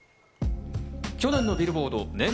去年のビルボード年間